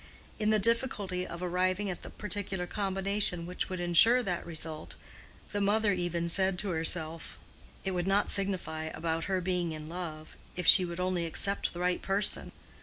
In the difficulty of arriving at the particular combination which would insure that result, the mother even said to herself, "It would not signify about her being in love, if she would only accept the right person."